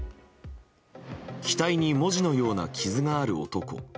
額に文字のような傷がある男。